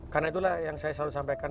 karena itulah yang saya selalu sampaikan